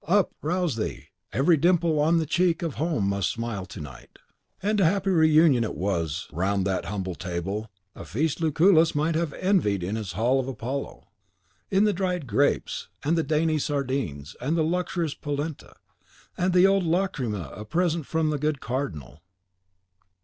Up, rouse thee! Every dimple on the cheek of home must smile to night. ("Ridete quidquid est domi cachinnorum." Catull. "ad Sirm. Penin.") And a happy reunion it was round that humble table: a feast Lucullus might have envied in his Hall of Apollo, in the dried grapes, and the dainty sardines, and the luxurious polenta, and the old lacrima a present from the good Cardinal.